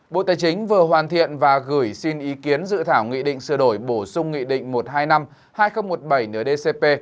bộ tài chính vừa hoàn thiện và gửi xin ý kiến dự thảo nghị định sửa đổi bổ sung nghị định một trăm hai mươi năm hai nghìn một mươi bảy ndcp